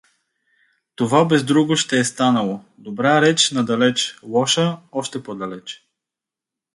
Това бездруго ще е станало: Добра реч надалеч, лоша — още по-далеч!